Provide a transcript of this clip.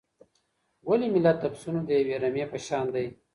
ولي ملت د پسونو د یوې رمې په شان دی؟